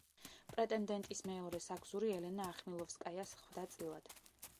პრეტენდენტის მეორე საგზური ელენა ახმილოვსკაიას ხვდა წილად.